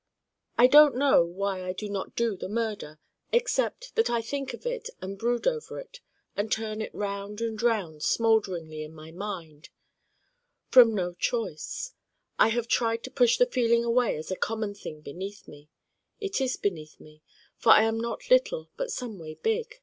I don't know why I do not do the Murder: except that I think of it and brood over it and turn it round and round smoulderingly in my Mind. From no choice. I have tried to push the feeling away as a common thing beneath me. It is beneath me, for I am not little but someway big.